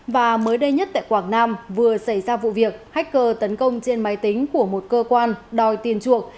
và mới đây nhất tại quảng nam vừa xảy ra vụ việc hacker tấn công trên máy tính của một cơ quan đòi tiền chuộc